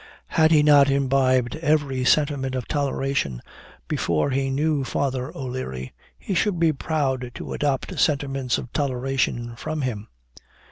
Had he not imbibed every sentiment of toleration before he knew Father O'Leary, he should be proud to adopt sentiments of toleration from him.